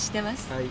はい。